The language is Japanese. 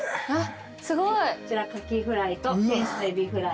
すごい。こちらカキフライと天使の海老フライ。